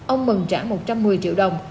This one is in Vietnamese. ông mừng trả một trăm một mươi triệu đồng